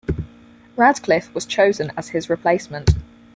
Radcliff was chosen as his replacement.